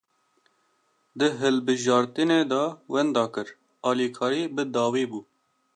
Di hilbijartinê de wenda kir, alîkarî bi dawî bû